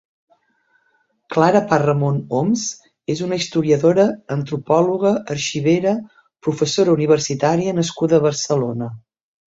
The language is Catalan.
Clara Parramon Homs és una historiadora, antropòloga, arxivera, professora universitària nascuda a Barcelona.